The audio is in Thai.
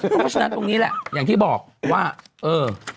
เพราะฉะนั้นตรงนี้แหละอย่างที่บอกว่าเออ